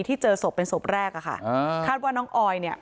ที่เจอศพเป็นศพแรกนะคะข้าวว่าน้องออยเนี่ย